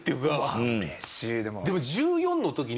でも１４の時に。